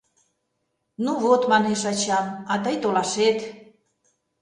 — Ну вот, — манеш ачам, — а тый толашет...